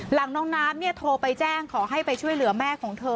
หลังน้องน้ำโทรไปแจ้งขอให้ไปช่วยเหลือแม่ของเธอ